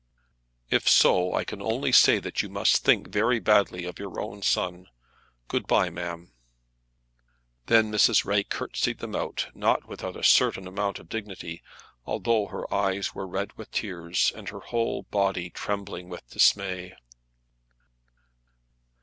"If so, I can only say that you must think very badly of your own son. Good bye, ma'am." Then Mrs. Ray curtseyed them out, not without a certain amount of dignity, although her eyes were red with tears, and her whole body trembling with dismay.